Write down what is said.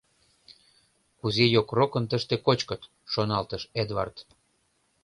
“Кузе йокрокын тыште кочкыт!” — шоналтыш Эдвард.